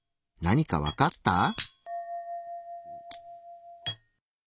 何かわかった？